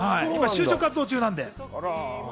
就職活動中なので。